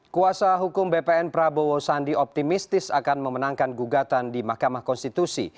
kuasa hukum bpn prabowo sandi optimistis akan memenangkan gugatan di mahkamah konstitusi